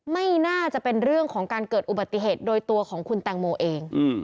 ไม่น่าจะเป็นเรื่องของการเกิดอุบัติเหตุโดยตัวของคุณแตงโมเอง